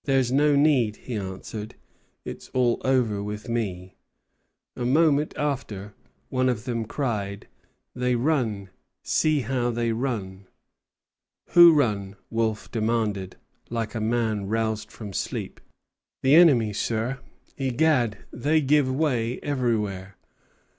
"There's no need," he answered; "it's all over with me." A moment after, one of them cried out: "They run; see how they run!" "Who run?" Wolfe demanded, like a man roused from sleep. "The enemy, sir. Egad, they give way everywhere!"